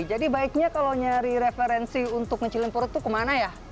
jadi baiknya kalau nyari referensi untuk ngecilin perut itu kemana ya